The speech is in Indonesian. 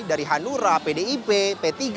dari hanura pdip pt